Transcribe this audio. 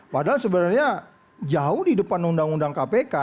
padahal sebenarnya jauh di depan undang undang kpk